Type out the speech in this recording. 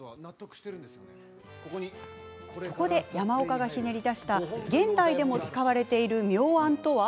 そこで山岡がひねり出した現代でも使われている妙案とは？